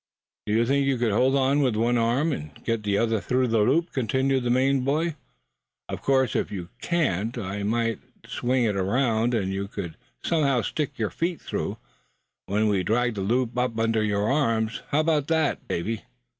"Do you think you could hold on with one arm, and get the other through the loop?" continued the Maine boy. "Of course, if you can't, why, I might swing it around, and you could somehow stick your feet through; when we'd drag the loop up under your arms. How about that, Davy?"